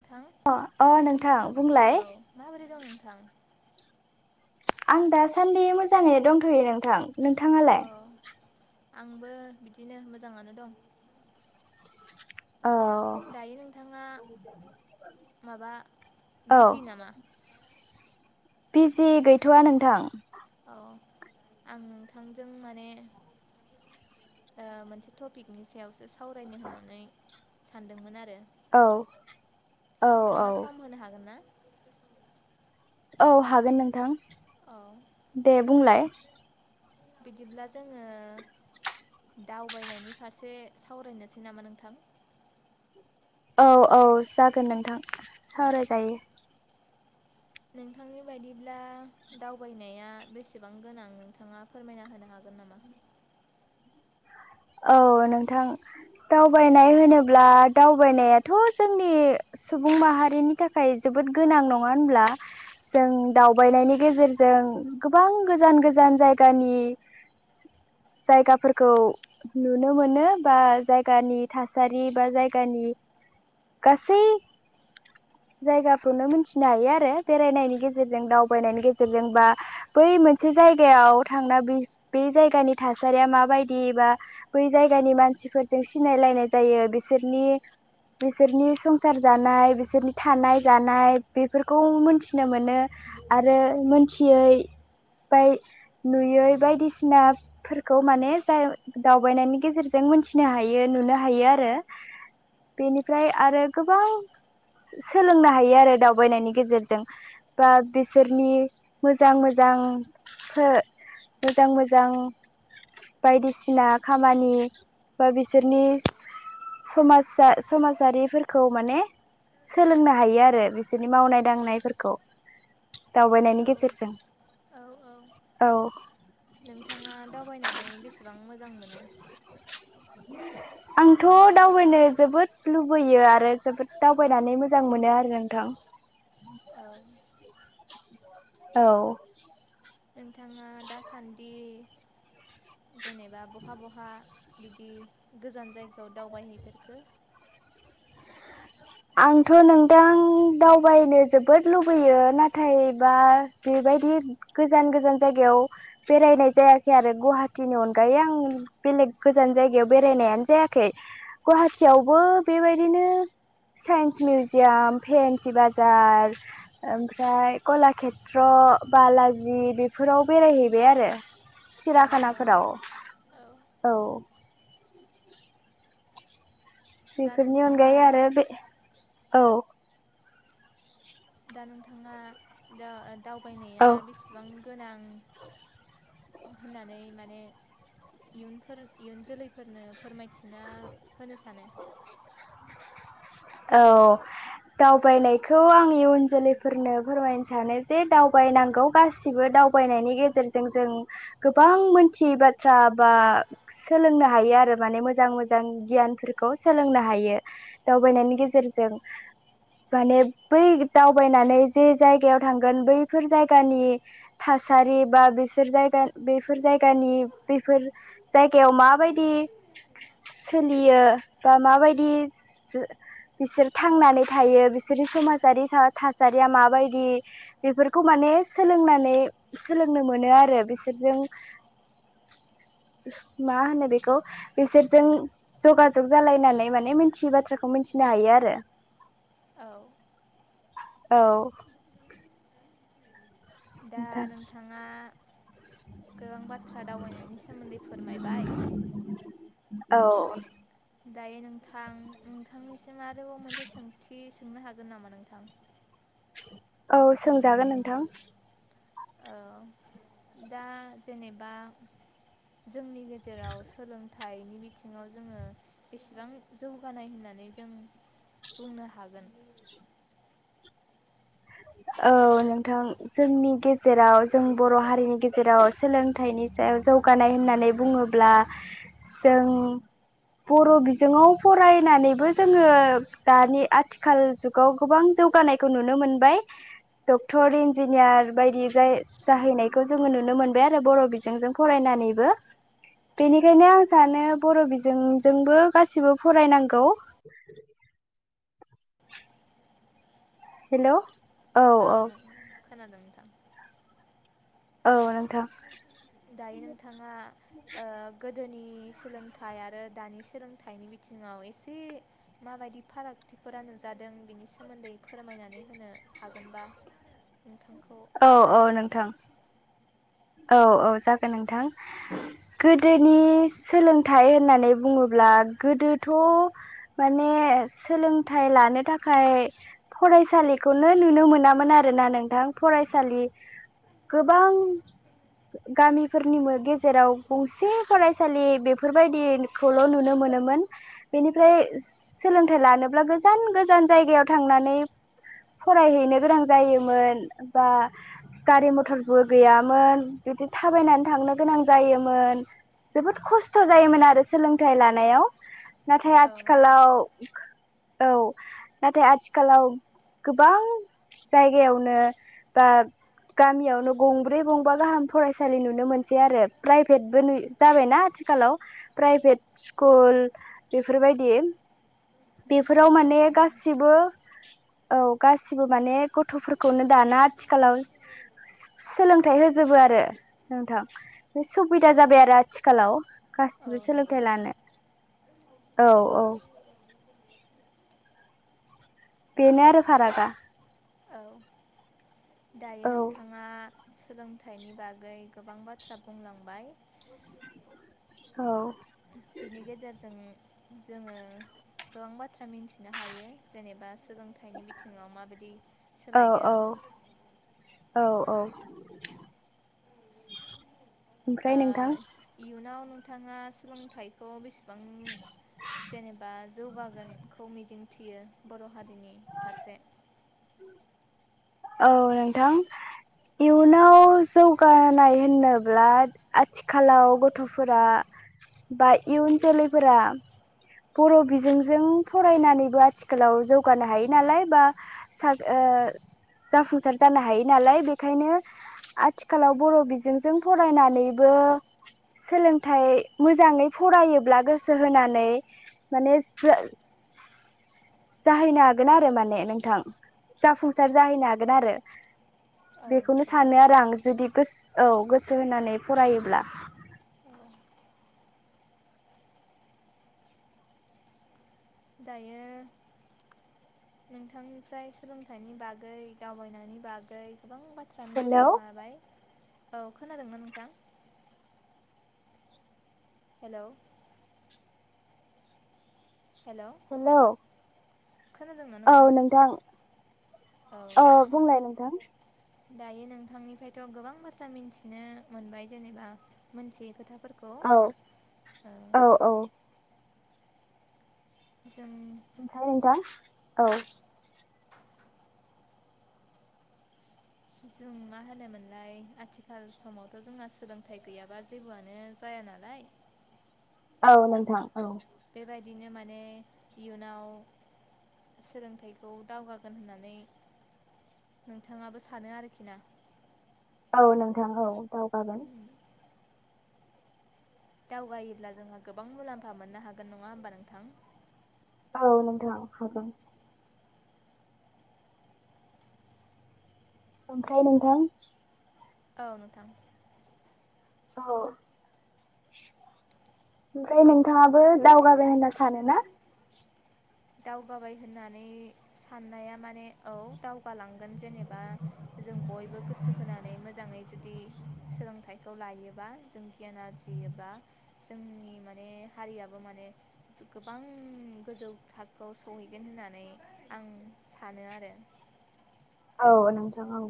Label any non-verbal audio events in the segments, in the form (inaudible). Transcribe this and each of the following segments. नोंथां अ अ नोंथां औ बुंलाय। माबोरै दं नोंथां? आं दासान्दि मोजाङै दंथ'यो नोंथां। औ नोंथाङालाय आंबो बिदिनो मोजाङानो दं। अ दायो नोंथाङा माबा औ। बिजि नामा बिजि गैथ'वा नोंथां? अ आं नोंथांजों माने ओ मोनसे टपिकनि सायावसो सावरायनो होननानै सानदोंमोन आरो। औ औ औ नोंथाङा सम होनो हागोन ना? औ हागोन नोंथां। औ। दे बुंलाय बिदिब्ला जोङो दावबायनायनि फारसे सावरायनोसै नामा नोंथां? औ औ जागोन नोंथां। ओ सावरायजायो (inaudible) नोंथांनि बायदिब्ला दावबायनाया बेसेबां गोनां नोंथाङा फोरमायना होनो हागोन नामा? औ नोंथां। दावबायनाय होनोब्ला दावबायनायाथ' जोंनि सुबुं माहारिनि थाखाय जोबोद गोनां नङा होनब्ला? जों दावबायनायनि गेजेरजों गोबां गोजान गोजान जायगानि जायगाफोरखौ नुनो मोनो बा जायगानि थासारि बा जायगानि गासै जायगाखौनो मिथिनो हायो आरो बेरायनायनि गेजेरजों दावबायनायनि गेजेरजों बा बै मोनसे जायगायाव थांना बे जायगानि थासारिया माबायदि बा बै जायगानि मानसिफोरजों सिनायलायनाय जायो बिसोरनि बिसोरनि संसार जानाय बिसोरनि थानाय जानाय बेफोरखौ मोनथिनो मोनो। आरो मोनथियै बाय नुयै बायदिसिनाफोरखौ माने जाय दावबायनायनि गेजेरजों मोनथिनो हायो नुनो हायो आरो। बेनिफ्राय आरो गोबां सोलोंनो हायो आरो दावबायनायनि गेजेरजों। बा बिसोरनि मोजां मोजां सो मोजां मोजां बायदिसि ब्ला खामानि बा बिसोरनि समाजा समाजारिफोरखौ माने सोलोंनो हायो आरो बिसोरनि मावनाय दांनायफोरखौ। औ दावबायनायनि गेजेरजों औ औ औ। नोंथाङा दावबायनानै बेसेबां मोजां मोनो? आंथ' दावबायनो जोबोद लुबैयो आरो जोबोद दावबायनानै मोजां मोनो आरो नोंथां। औ औ नोंथाङा दासान्दि जेनेबा बहा बहा बिदि गोजान जायगायाव दावबायहैफोरखो? आंथ' नोंदां दावबायनो जोबोद लुबैयो नाथाय बा बेबायदि गोजान गोजान जायगायाव बेरायनाय जायाखै आरो गुवाहाटिनि अनगायै आं बेलेग गोजान जायगायाव बेरायनायानो जायाखै गुवाहाटियावबो बेबायदिनो साइन्स मिउजियाम फेन्सि बाजार ओमफ्राय कलाक्षेत्र बालाजि बेफोराव बेरायहैबाय आरो। औ औ सिराखानाफोराव औ औ। दा बेफोरनि नोंथाङा अनगायै आरो बे औ। दा नोंथाङा दा औ दावबायनाया बेसेबां गोनां होननानै माने इयुनफोर इयुन जोलैफोरनो फोरमाय थिना होनो सानो? औ दावबायनायखौ आं इयुन जोलैफोरनो फोरमायनो सानो जे दावबायनांगौ गास सिबो दावबायनायनि गेजेरजों जों गोबां मोनथियै बाथ्रा बा सोलोंनो हायो आरो माने मोजां मोजां गियानफोरखौ सोलोंनो हायो औ दावबायनायनि गेजेरजों। माने बै दावबायनानै जे जायगायाव थांगोन बैफोर जायगानि थासारि बा बेसोर जायगा बेफोर जायगानि बेफोर जायगायाव माबायदि सोलियो बा माबायदि बिसोर थांनानै थायो बिसोरनि समाजारि था थासारिया माबायदि बेफोरखौ माने सोलोंनानै सोलोंनो मोनो आरो बिसोरजों मा होनो बेखौ बिसोरजों जगाजग जालायनानै माने मिथियै बाथ्राखौ मोन हायो आरो औ औ दा नोंथां नोंथाङा गोबां बाथ्रा दावबायनायनि सोमोन्दै फोरमायबाय औ दायो नोंथां नोंथांनिसिम आरोबाव मोनसे सोंथि सोंनो हागोन नामा नोंथां? औ सोंजागोन नोंथां। औ दा जेनेबा जोंनि गेजेराव सोलों थाइनि बिथिङाव जोङो बेसेबां जौगानाय होननानै जों बुंनो हागोन औ नोंथां। जोंनि गेजेराव जों बर' हारिनि गेजेराव सोलोंथाइनि सायाव जौगानाय होननानै बुङो ब्ला जों बर बिजोङाव फरायनानै बो‌ जोङो दानि आथिखाल जुगाव गोबां जौगानायखौ नुनो मोनबाय डक्टर इन्जिनियार बायदि जाय जाहैनायखौ जोङो नुनो मोनबाय आरो बर' बिजोंजों फरायनानैबो बेनिखायनो आं सानो बर' बिजोंजोंबो गासिबो फरायनांगौ हेलौ औ नं खोनादों नोंथां औ नोंथां दायो नोंथाङा ओ गोदोनि सोलोंथाइ आरो दानि सोलोंथाइनि बिथिङाव एसे माबायदि फारागथिफोरा नुजादों बेनि सोमोन्दै फोरमायनानै होनो हागोनबा नोंथांखौ औ औ खावलायनाय थाबाय नोंथां औ औ जागोन नोंथां गोदोनि सोलोंथाइ होननानै बुङोब्ला गोदोथ' माने सोलोंथाइ लानो थाखाय फरायसालिखौनो नुनो मोनामोन आरोना नोंथां फरायसालि गोबां गामिफोरनि मो गेजेराव गंसे फरायसालि बेफोरबायदिखौल' नुनो मोनोमोन बेनिफ्राय सोलोंथाइ लानोब्ला गोजान गोजान जायगायाव थांनानै फरायहैनो गोनां जायोमोन बा गारि मथरबो गैयामोन बिदि थाबायनानै थांनो गोनां जायोमोन जोबोद खस्थ' जायोमोन आरो सोलोंथाइ लानायाव नाथाय औ आथिखालाव औ नाथाय आथिखालाव गोबां जायगायावनो बा गामियावनो गंब्रै गंबा गाहाम फरायसालि नुनो मोनसै आरो प्राइभेटबो नु जाबायना आथिखालाव प्राइभेट स्कुल बेफोरबायदि औ बेफोराव औ माने नंगौ नोंथां गासिबो औ गासिबो माने गथ'फोरखौनो दाना आथिखालाव सोलोंथाइ होजोबो आरो नोंथां बे सुबिदा जाबाय आरो आथिखालाव औ गासिबो नंगौ सोलोंथाइ नोंथां लानो औ-औ बेनो आरो फारागा औ दायो औ नोंथाङा सोलोंथाइनि बागै गोबां बाथ्रा बुंलांबाय (unintelligible) औ बिनि गेजेरजों जोङो गोबां बाथ्रा मिन्थिनो हायो जेनेबा सोलोंथाइनि बिथिङाव माबायदि सोलायदों औ-औ ओ इयुनाव नोंथाङा सोलोंथाइखौ बेसे बां जेनेबा जौगागोनखौ मिजिं थियो बर' हारिनि फारसे औ नोंथां इयुनाव जौगानाय होननोब्ला आथिखालाव गथ'फोरा बा इयुन जोलैफोरा बर' बिजोंजों फरायनानैबो आथिखालाव जौगानो हायो नालाय बा साग ओ जाफुंसार जानो हायो नालाय बेखायनो आथिखालाव बर' बिजोंजों फरायनानैबो सोलोंथाइ मोजाङै फरायोब्ला गोसो होनानै माने जो जाहैनो हागोन आरो माने नोंथां जाफुंसार जाहैनो हागोन आरो औ बेखौनो नोंथां सानो आरो आं जुदि गोसो औ गोसो होनानै फरायोब्ला औ दायो नोंथांनिफ्राय सोलोंथाइनि बागै दावबायनायनि बागै गोबां बाथ्रा बाथ्रा हेलौ मिथिनो हाबाय औ खोनादोंमोन नोंथां हेल' हेल' हेलौ खोनादोंना नोंथां औ बुंलाय नोंथां दायो नोंथांनिफ्रायथ' गोबां बाथ्रा मिन्थिनो मोनबाय जेनेबा मोनथियै खोथाफोरखौ औ औ औ जों ओमफ्राय नोंथां औ जों मा होनोमोनलाय आथिखाल समावथ' जोंना सोलोंथाइ गैयाबा जेबोआनो सायानाल औ नोंथां औ बेबायदिनो माने इयुनाव सोलोंथाइखौ दावगागोन होननानै नोंथाङाबो सानो आरोखि ना औ नोंथां औ दावगागोन दावगायोब्ला जोंहा गोबां मुलाम्फा मोननो हागोन नङा होमबा नोंथां औ नोंथां हाग ओमफ्राय नोंथां औ नोंथां औ ओमफ्राय नोंथाङाबो दावगाबाय होनना सानो ना दावगाबाय होननानै साननाया माने औ दावगालांगोन जेनेबा जों बयबो गोसो होनानै मोजाङै जुदि जुदि सोलोंथाइखौ लायोबा जों गियान आरजियोबा जोंनि माने हारियाबो माने गोबां गोजौ थाखो खौ सहैगोन होननानै आं सानो आरो औ नोंथां औ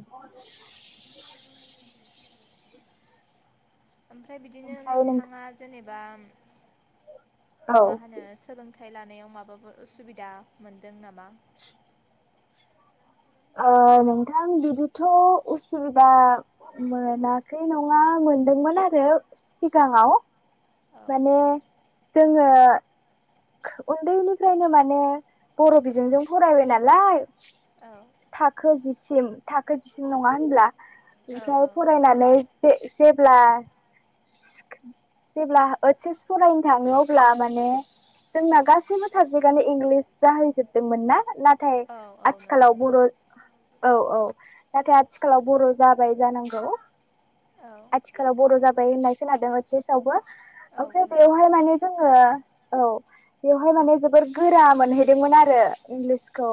ओमफ्राय बिदिनो ओमफ्राय नोंथाङा नोंथां जेनेबा औ मा होनो सोलों सोलोंथाइ लानायाव माबाफोर उसुबिदा मोनदों नामा नोंथां बिदिथ' उसुबिदा मोनाखै नङा मोनदोंमोन आरो सिगाङाव माने जोङो उन्दैनिफ्रायनो माने बर' बिजोंजों फरायबाय नालाय औ थाखो जिसिम थाखो जिसिम नङा होनब्ला औ औ मफ्राय फरायनाय नै सेपला जेब्ला ओ एस फरायनो थाङो अब्ला माने जोंना गासैबो साबजेक्टआनो इंलिस जाहैजोबदोंमोननाा नाथाय औ औ नंगौ आथिखालाव नोंथां बर' औ औ नाथाय आथिखालाव बर' जाबाय जानांगौ औ आथिखालाव बर' जाबाय होननाय खोनादों ह चसवबो औ ओमफ्राय खोनादों बेवहाय माने जोङो औ बेवहाय माने जोबोर गोरा मोनहैदोंमोन आरो इंलिसखौ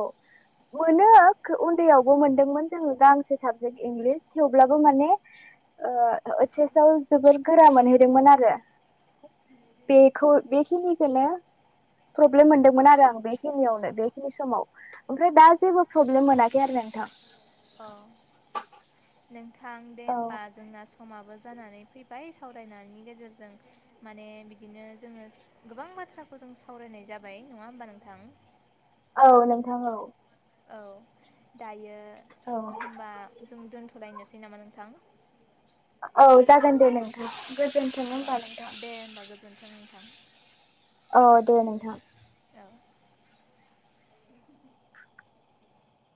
औ मोनो उन्दैयावबो मोनदोंमोन जोङो गांसे साबजेक्ट इंलिस थेवब्लाबो माने तच एसव जोबोर गोरा मोनहैदोंमोन आरो बेखौ बेखेनिखोनो प्रब्लेम मोनदोंमोन आरो आं बेखिनिवानो बेखिनि समाव ओमफ्राय दा जेबो प्रब्लेम मोनाखै आरो नोंथां औ नोंथां दे औ होमबा जोंना समाबो जानानै फैबाय दायो सावरायनायनि गेजेरजों माने बिदिनो जोङो गोबां बाथ्राखौ जों सावरायनाय जाबाय नङा होमबा नोंथां औ नोंथां औ औ दायो औ होमबा जों दोन्थ'लायनोसै नामा नोंथां औ जागोन दे नोंथां गोजोन औ दे होमबा गोजोन्थों नोंथां औ दे नोंथां औ